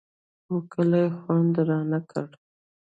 خو کلي خوند رانه کړ.